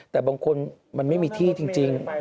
แต่บางคนมันไม่มีที่จริง